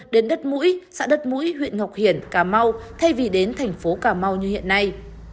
đến đất mũi xã đất mũi huyện ngọc hiển cà mau thay vì đến thành phố cà mau như hiện nay